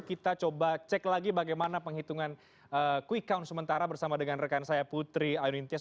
kita coba cek lagi bagaimana penghitungan quick count sementara bersama dengan rekan saya putri ayunintias